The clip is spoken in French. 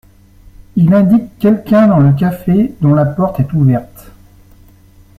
Il indique quelqu’un dans le café dont la porte est ouverte.